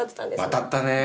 渡ったね